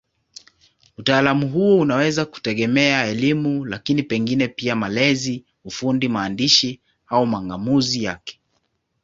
Utaalamu huo unaweza kutegemea elimu, lakini pengine pia malezi, ufundi, maandishi au mang'amuzi yake.